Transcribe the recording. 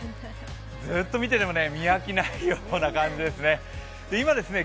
ずっと見てても見飽きないような感じですね。